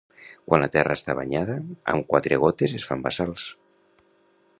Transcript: Quan la terra està banyada, amb quatre gotes es fan bassals.